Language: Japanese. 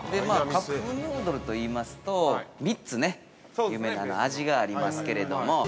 ◆カップヌードルといいますと３つね、有名な味がありますけれども。